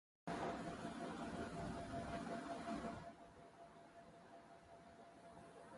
It has faces looking towards the river and towards the Strand.